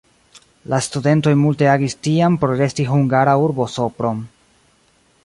La studentoj multe agis tiam por resti hungara urbo Sopron.